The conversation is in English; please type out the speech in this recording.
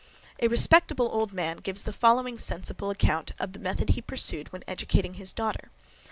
A respectable old man gives the following sensible account of the method he pursued when educating his daughter.